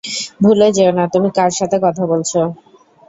ভুলে যেও না তুমি কার সাথে কথা বলছো!